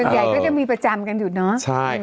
ใหญ่ก็จะมีประจำกันอยู่เนาะ